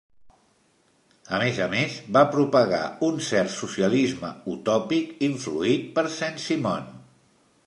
A més a més, va propagar un cert socialisme utòpic influït per Saint-Simon.